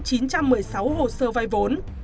chín trăm một mươi sáu hồ sơ vai vốn